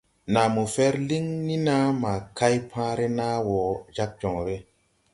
Naa mo fɛr liŋ ni naa ma kay paare naa wo jāg joŋre.